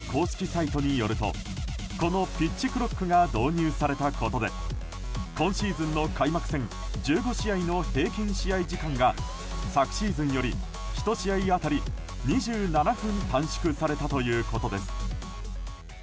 ＭＬＢの公式サイトによるとこのピッチクロックが導入されたことで今シーズンの開幕戦１５試合の平均試合時間が昨シーズンより１試合当たり２７分短縮されたということです。